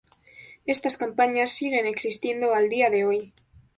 Estas campañas siguen existiendo al día de hoy.